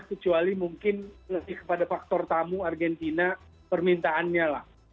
kecuali mungkin lebih kepada faktor tamu argentina permintaannya lah